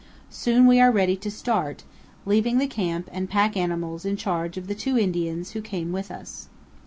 Soon we are ready to start, leaving the camp and pack animals in charge of the two Indians who came with us.